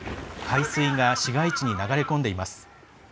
海水が市街地に流れ込んでいます。